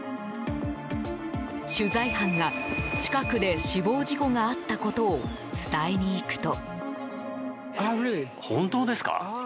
取材班が近くで死亡事故があったことを伝えにいくと。